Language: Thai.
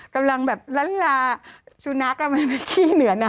กำลังแบบลั้นลาชูนักละมันไปขี้เหนือน้ำ